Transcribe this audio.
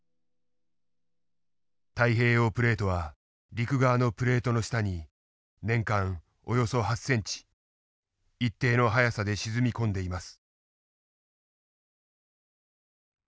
太平洋プレートは陸側のプレートの下に年間およそ８センチ一定の速さで沈み込んでいます。